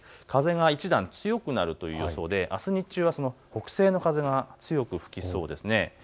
風は一段、強くなるという予想であす日中は北西の風が強く吹きそうです。